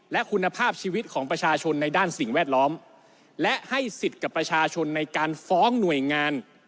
และคุณภาพชีวิตของประชาชนในด้านสิ่งแวดล้อมและให้สิทธิ์กับประชาชนในการฟ้องหน่วยงาน